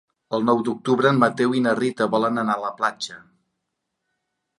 El nou d'octubre en Mateu i na Rita volen anar a la platja.